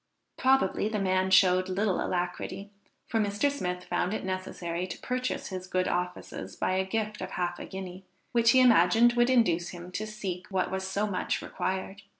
Probably the man showed little alacrity, for Mr. Smith found it necessary to purchase his good offices by a gift of half a guinea, which he imagined would induce him to seek what was so much required.